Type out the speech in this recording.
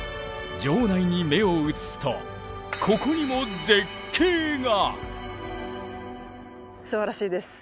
城内に目を移すとここにも絶景が！